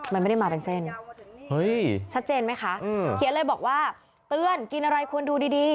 มันไม่ได้มาเป็นเส้นชัดเจนไหมคะเขียนเลยบอกว่าเตือนกินอะไรควรดูดี